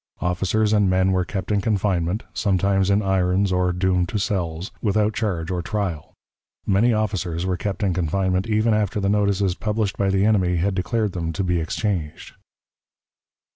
Officers and men were kept in confinement, sometimes in irons or doomed to cells, without charge or trial. Many officers were kept in confinement even after the notices published by the enemy had declared them to be exchanged.